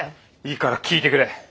いいから聞いてくれ。